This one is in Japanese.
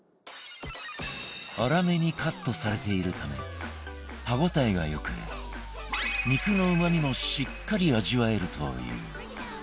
粗めにカットされているため歯応えが良く肉のうまみもしっかり味わえるという